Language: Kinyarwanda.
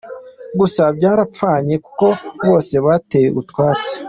Gusa byarabapfanye kuko bose babateye utwatsi.